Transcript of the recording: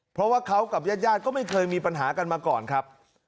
เพราะว่าเขากับญาติก็ไม่เคยมีปัญหากันมาก่อนครับ